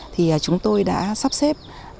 thì chúng tôi đã sắp xếp